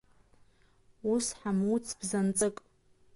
Ус ҳамуц бзанҵык…